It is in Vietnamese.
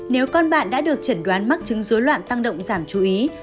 nếu con bạn đã được chẩn đoán mắc chứng dối loạn tăng động giảm chú ý